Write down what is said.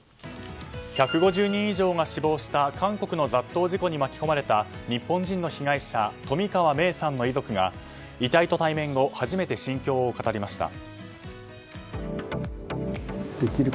１５０人以上が死亡した韓国の雑踏事故に巻き込まれた日本人の被害者冨川芽生さんの遺族が遺体と対面後初めて心境を語りました。